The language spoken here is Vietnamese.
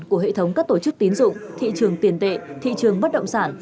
của hệ thống các tổ chức tín dụng thị trường tiền tệ thị trường bất động sản